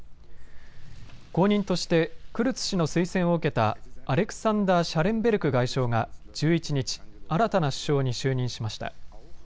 後任としてクルツ氏の推薦を受けたアレクサンダー・シャレンベルク外相が１１日、新たな首相に就任しました。